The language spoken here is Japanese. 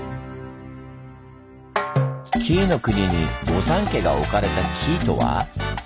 「紀伊」の国に御三家が置かれた鍵とは？